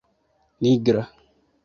nigra